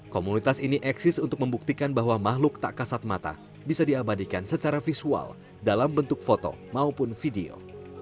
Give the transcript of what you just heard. komunitas ini eksis untuk membuktikan bahwa makhluk tak kasat mata bisa diabadikan secara visual dalam bentuk foto maupun video